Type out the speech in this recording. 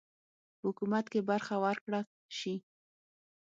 په حکومت کې برخه ورکړه سي.